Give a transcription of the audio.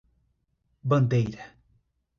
Bandeira